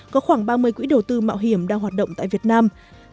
có khoảng ba mươi quỹ đầu tư mạo hiểm đang hoạt động tại việt nam